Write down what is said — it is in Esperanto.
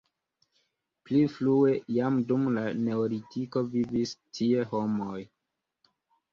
Pli frue jam dum la neolitiko vivis tie homoj.